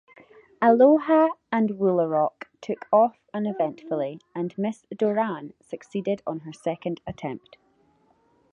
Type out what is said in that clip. "Aloha" and "Woolaroc" took off uneventfully, and "Miss Doran" succeeded on her second attempt.